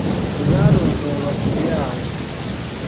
Tebalondoolwa kiri awo.